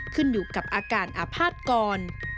ขึ้นอยู่กับอาการอภาษกร